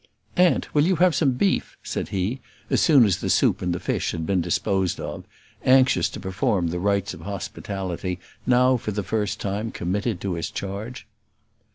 "Aunt, will you have some beef?" said he, as soon as the soup and fish had been disposed of, anxious to perform the rites of hospitality now for the first time committed to his charge.